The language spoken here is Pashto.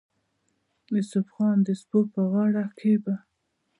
د يوسف خان د سپو پۀ غاړه کښې به